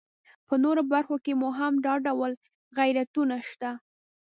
په نورو برخو کې مو هم دا ډول غیرتونه شته.